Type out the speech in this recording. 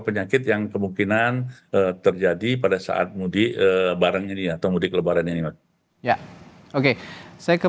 penyakit yang kemungkinan terjadi pada saat mudik bareng ini atau mudik lebaran ini ya oke saya ke